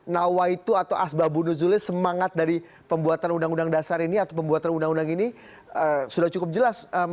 nawaitu atau asbabunuzuli semangat dari pembuatan undang undang dasar ini atau pembuatan undang undang ini sudah cukup jelas